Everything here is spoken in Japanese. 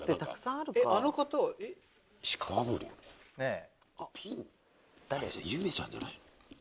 あっピンゆめちゃんじゃないの？